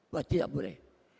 bahwa tidak boleh